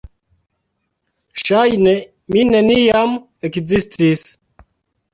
Ŝajne mi neniam ekzistis.